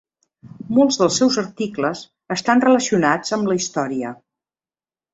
Molts dels seus articles estan relacionats amb la història.